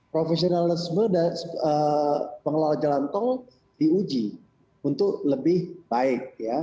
profesionalisme dan pengelola jalan tol diuji untuk lebih baik